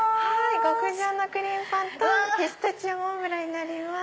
極上のクリームパンとピスタチオモンブランになります。